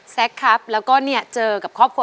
แซคครับแล้วก็เนี่ยเจอกับครอบครัว